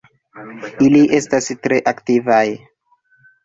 Ili estas tre aktivaj.